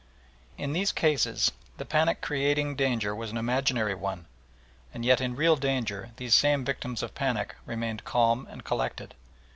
In these cases the panic creating danger was an imaginary one, and yet in real danger these same victims of panic remained calm and collected.